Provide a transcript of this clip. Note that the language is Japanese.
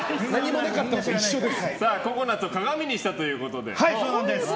ココナツを鏡にしたということで。